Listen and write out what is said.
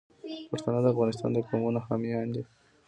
پښتانه د افغانستان د قومونو حامیان دي.